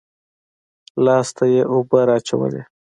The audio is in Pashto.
لاس ته يې اوبه رااچولې.